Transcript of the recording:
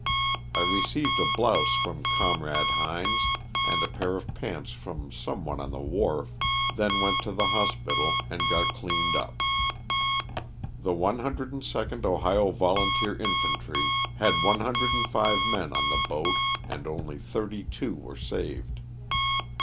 I received a blouse from Comrade Hines and a pair of pants from some one on the wharf, then went to the hospital and got cleaned LOSS OF THE SULTANA. 93 up. The 102d Ohio Volunteer Infantry had one hun dred and five (105) men on the boat and only thirty two were saved.